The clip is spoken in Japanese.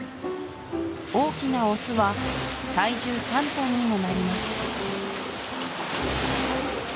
大きなオスは体重３トンにもなります